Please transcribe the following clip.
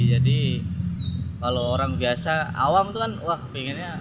jadi kalau orang biasa awam tuh kan wah pengennya turun